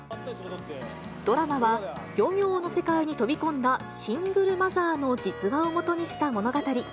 ドラマは、漁業の世界に飛び込んだシングルマザーの実話をもとにした物語。